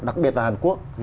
đặc biệt là hàn quốc